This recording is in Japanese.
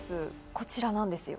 こちらなんですよ